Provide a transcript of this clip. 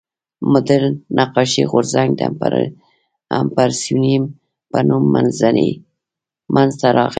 مډرن نقاشي غورځنګ د امپرسیونیېم په نوم منځ ته راغی.